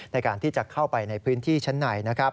ในการที่จะเข้าไปในพื้นที่ชั้นไหน